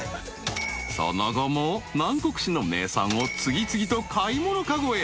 ［その後も南国市の名産を次々と買い物籠へ］